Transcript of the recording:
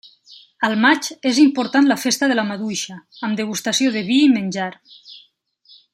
Al maig és important la Festa de la Maduixa, amb degustació de vi i menjar.